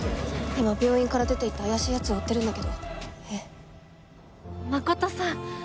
今、病院から出ていった怪しいやつを追ってるんだけど真さん。